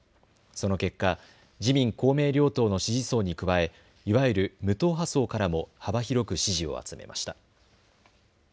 その結果、自民公明両党の支持層に加えいわゆる無党派層からも幅広く支持を集めました。